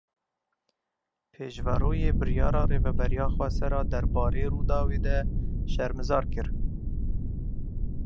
Pêşverûyê biryara Rêveberiya Xweser a derbarê Rûdawê de şermezar kir.